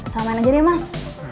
sama aja deh mas